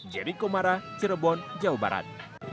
jericho mara cirebon jawa barat